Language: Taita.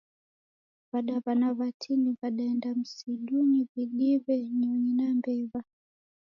Wadawana watini wadaenda msidunyi widiwe nyonyi na mbewa